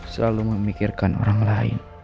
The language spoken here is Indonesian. selalu memikirkan orang lain